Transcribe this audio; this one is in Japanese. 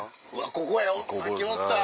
ここやさっきおった。